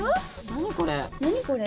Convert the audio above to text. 何これ。